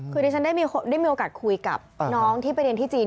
คือดิฉันได้มีโอกาสคุยกับน้องที่ไปเรียนที่จีน